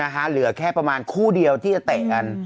เหลือแค่ประมาณคู่เดียวที่จะเตะกัน